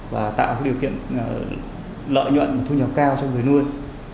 và tạo điều kiện lợi nhuận và thu nhập cao cho người nuôi